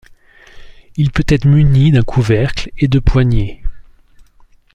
Il peut être munit d'un couvercle et de poignées.